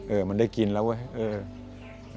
มันได้กินแล้วเว้ยเออ